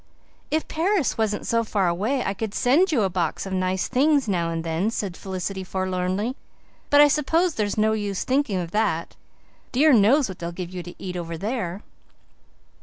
"If Paris wasn't so far away I could send you a box of nice things now and then," said Felicity forlornly, "but I suppose there's no use thinking of that. Dear knows what they'll give you to eat over there."